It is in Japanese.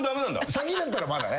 先だったらまだね。